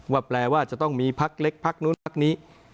แปลว่าจะต้องมีพักเล็กพักนู้นพักนี้